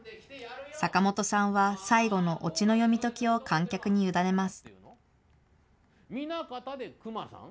阪本さんは、最後のオチの読み解きを観客に委ねます。